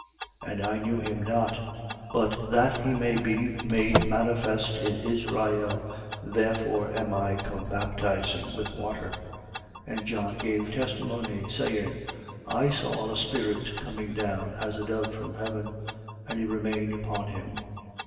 1:31. And I knew him not: but that he may be made manifest in Israel, therefore am I come baptizing with water. 1:32. And John gave testimony, saying: I saw the Spirit coming down, as a dove from heaven; and he remained upon him.